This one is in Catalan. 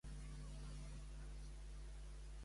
Com és que es van haver de refugiar a Tegea?